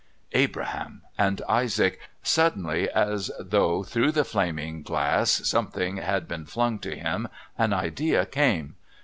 Abraham and Isaac! Suddenly, as though through the flaming glass something had been flung to him, an idea came.